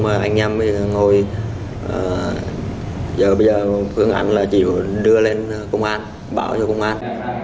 thực trung mà anh em ngồi giờ bây giờ cứ ngắn là chỉ đưa lên công an bảo cho công an